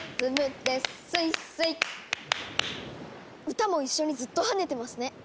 歌も一緒にずっと跳ねてますね！